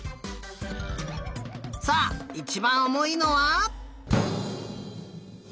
さあいちばんおもいのは？